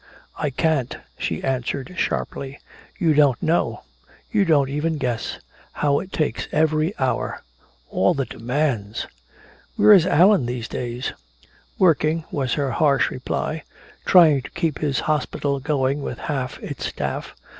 "I can't!" she answered sharply. "You don't know you don't even guess how it takes every hour all the demands!" "Where's Allan these days?" "Working," was her harsh reply. "Trying to keep his hospital going with half its staff.